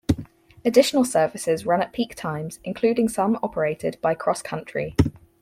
Additional services run at peak times, including some operated by CrossCountry.